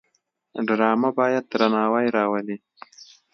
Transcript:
ډرامه باید درناوی راولي